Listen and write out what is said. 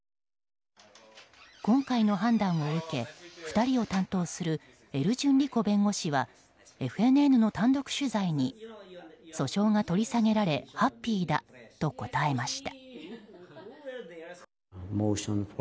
今回の判断を受け２人を担当するエルジュン・リコ弁護士はＦＮＮの単独取材に訴訟が取り下げられハッピーだと答えました。